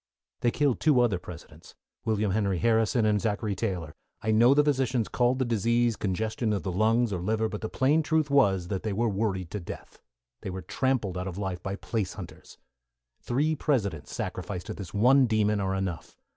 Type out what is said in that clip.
They killed two other Presidents, William Henry Harrison and Zachary Taylor. I know the physicians called the disease congestion of the lungs or liver, but the plain truth was that they were worried to death; they were trampled out of life by place hunters. Three Presidents sacrificed to this one demon are enough.